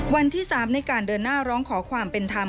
วันที่๓ในการเดินหน้าร้องขอความเป็นธรรม